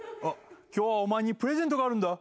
「今日はお前にプレゼントがあるんだ」